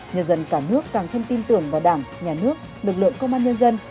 nhân dân cả nước càng thêm tin tưởng vào đảng nhà nước lực lượng công an nhân dân